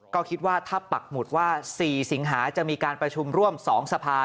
ก็คิดว่าถ้าปักหมุดว่า๔สิงหาจะมีการประชุมร่วม๒สภา